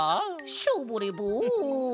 ショボレボン。